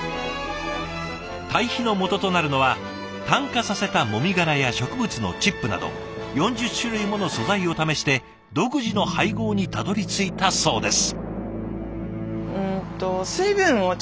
堆肥のもととなるのは炭化させたもみ殻や植物のチップなど４０種類もの素材を試して独自の配合にたどりついたそうです。